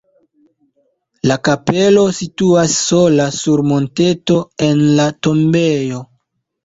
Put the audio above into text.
La kapelo situas sola sur monteto en la tombejo.